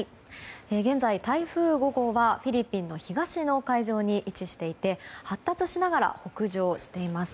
現在、台風５号はフィリピンの東の海上に位置していて発達しながら北上しています。